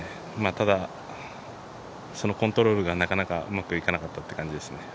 ただ、そのコントロールがなかなかうまくいかなかったって感じですね。